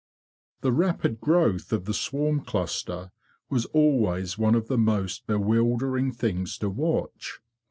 The rapid growth of the swarm cluster was always one of the most bewildering things to watch.